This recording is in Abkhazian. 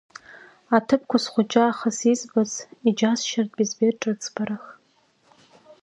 Аҭыԥқәа схәыҷаахыс избац, иџьасшьартә избеит ҿыцбарах.